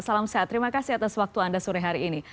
salam sehat terima kasih atas waktu anda sore hari ini